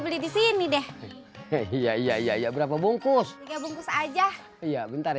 beli di sini deh iya iya iya berapa bungkus tiga bungkus aja iya bentar